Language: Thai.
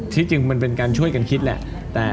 ที่จริงมันเป็นการช่วยกันคิดแหละ